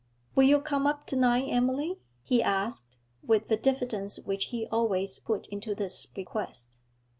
'Will you come up to night, Emily?' he asked, with the diffidence which he always put into this request.